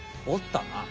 おったな。